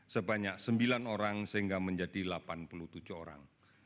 sebanyak sembilan orang sehingga menjadi delapan puluh tujuh orang